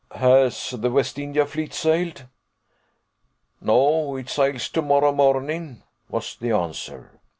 "Has the West India fleet sailed?" "No: it sails to morrow morning," was the answer.